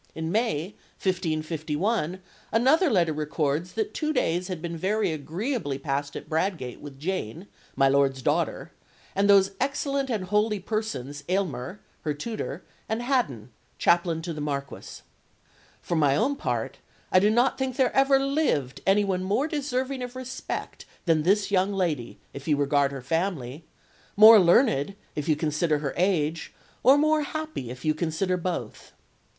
In May, 1551, another letter records that two days had been very agreeably passed at Bradgate with Jane, my Lord's daughter, and those excellent and holy persons Aylmer, her tutor, and Haddon, chaplain to the Marquis. "For my own part, I do not think there ever lived any one more deserving of respect than this young lady, if you regard her family; more learned, if you consider her age; or more happy, if you consider both.